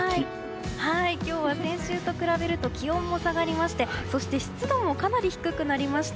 今日は先週と比べると気温も下がりましてそして湿度もかなり低くなりました。